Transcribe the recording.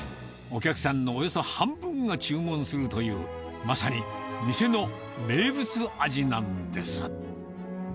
お客さんのおよそ半分が注文するという、まさに店の名物味なんです。